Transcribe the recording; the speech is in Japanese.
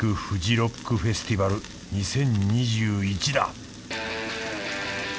ふじロックフェスティバル２０２１だ